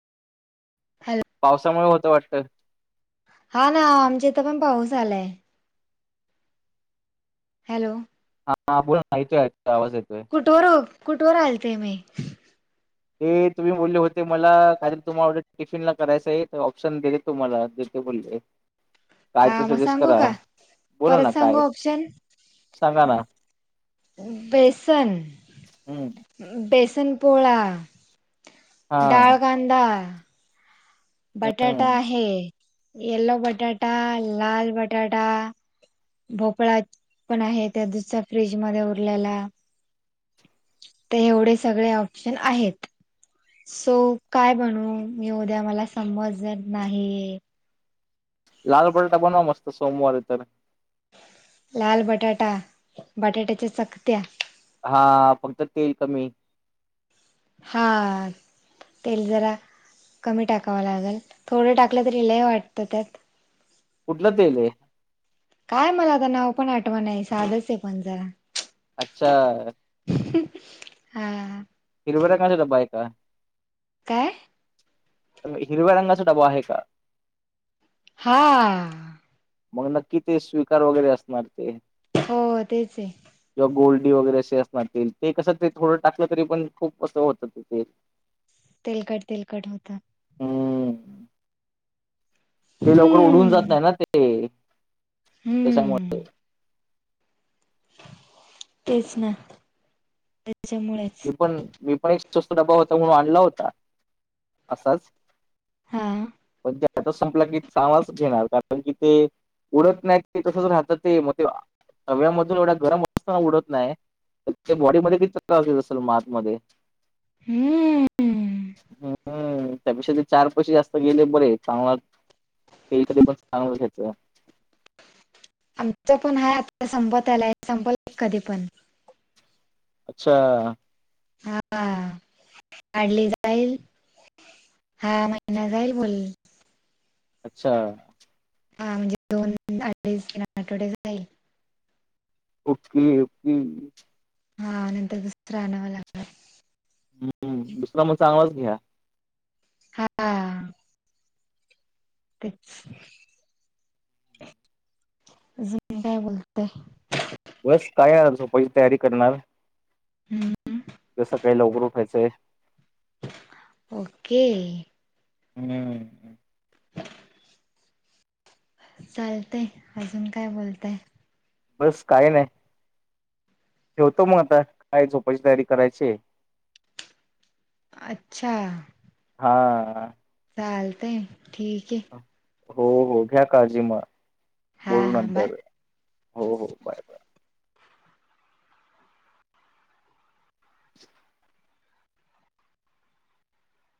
Hello. पावसामुळे होतं वाटत. हा ना आमच्या इथं पण पाऊस आलाय. हॅलो. हा बोल मा योतो आवाज येतोय. कुठोवर कुठर आलते मी? ते तुम्ही बोले होते मला काल तुम्हाला टिफिन ला करायचं आहे तर ऑप्शन देत तुम्हाला देते बोले. काय ते हा मग सजेस्ट सांगू करा का बोला ना परत सांगू काय ऑप्शन सांगा ना. बेसन हम्म बेसन पोळा. हा डाळ कांंदा. बटाटा हम्म. आहे. येल्लो बटाटा, लाल बटाटा. भोपळा पण आहे त्या दिवसाचा फ्रीज मध्ये उरलेला. ते एवढे सगळे ऑप्शन आहेत. सो काय बनू मी उद्या मला समज नाही ये. लाल पराठा बनवा मस्त सोमवार इ तर. लाल बटाटा बटाट्याच्या चकत्या. हा फक्त तेल कमी. हा. तेल जरा कमी टाकावं लागेल थोडं टाकलं तरी लय वाटतं त्यात. कुठलं तेल ये? काय मला आता नाव पण आठवण साधस आहे. पण जरा अच्छा. हा. हिरवेरा [unintelligible] बायका. काय? हिरव्या रंगाचा डबा आहे का? हा. मग नक्की ते स्वीकार वगैरे असणार ते. हो तेच आहे. किंवा गोल्डी वगैरे असे असणार ते ते कसं ते थोडं टाकलं तरी पण खूप असं होतं ते तेल. तेलगट तेलगट होतं. हम्म ते लवकर उडून हम्म जात नाही ना ते हम्म त्याच्यामुळे. तेच ना त्याच्यामुळे. मी पण मी पण एक स्वस्त डबा होता म्हणून आणला होता असाच. हा पण ते आताच संपलं की चावाच घेणार कारण की ते. उडत नाही ते तसच राहत ते मग ते हव्यामधून एवढा गरम असताना उडत नाही तर त्या बॉडीमध्ये किती त्रास देत असेल मात मध्ये. हम्म. हम्म त्यापेक्षा ते चार पैसे जास्त गेले बरे चांगला तेल कधी पण चागलं घ्यायचं. आमच पण आहे आता संपत आलय संपल कधी पण. अच्छा. हा काढली जाईल. हा महिना जाईल बोल अच्छा. हा म्हणजे दोन आदिज तीन आठवडे जाईल. Okay okay. हा नंतर दुसर आणावं लागणार. हम्म दुसरा मग चांगलाच घ्या. हा. तेच. अजून काय बोलतय. बस काय आता झोपायची तयारी करणार हाय. हम्म. उद्या सकाळी लवकर उठायचंय. ओके. हम्म. चालतय अजून काय बोलताय. बस काही नाही. ठेवतो म आता काय झोपायची तयारी करायची हाय. अच्छा. हा. चालतंय ठीक आहे. हो हो घ्या काळजी म हा बोलू हा बाय नंतर हो हो बाय बाय. [inaudible]